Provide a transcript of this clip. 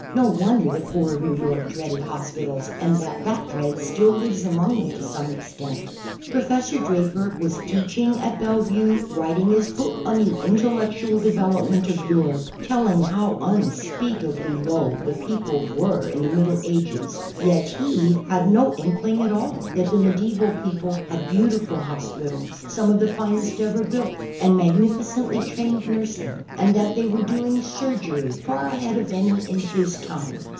No wonder the poor of New York dreaded hos pitals and that that dread still lives among them to some extent. Professor Draper was teaching at Bellevue, writing his book on the intellectual development of Europe, telling how unspeakably low the people were in the Middle Ages, yet he had no inkling at all that the medieval people had beautiful hospitals, some of the finest ever built, and magnificently trained nursing, and that they were doing surgery far ahead of any in his time.